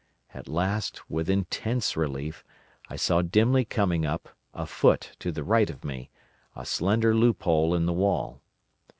At last, with intense relief, I saw dimly coming up, a foot to the right of me, a slender loophole in the wall.